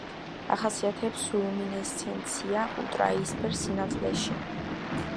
ახასიათებს ლუმინესცენცია ულტრაიისფერ სინათლეში.